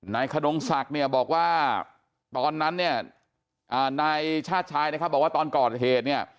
ขนงศักดิ์เนี่ยบอกว่าตอนนั้นเนี่ยนายชาติชายนะครับบอกว่าตอนก่อเหตุเนี่ย